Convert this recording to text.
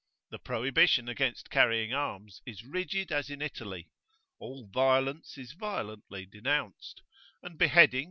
The prohibition against carrying arms is rigid as in Italy; all "violence" is violently denounced; and beheading [p.